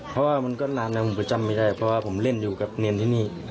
เพราะว่ามันก็นานแล้วผมก็จำไม่ได้เพราะว่าผมเล่นอยู่กับเนรที่นี่